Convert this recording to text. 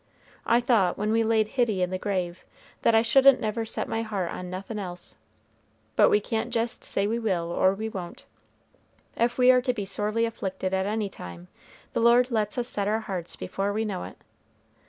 I thought, when we laid Hitty in the grave, that I shouldn't never set my heart on nothin' else but we can't jest say we will or we won't. Ef we are to be sorely afflicted at any time, the Lord lets us set our hearts before we know it.